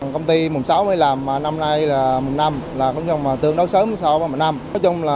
công ty mùng sáu mới làm năm nay là mùng năm tương đối sớm so với mùng năm